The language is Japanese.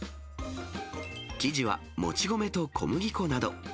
生地はもち米と小麦粉など。